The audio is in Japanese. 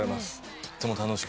とっても楽しく。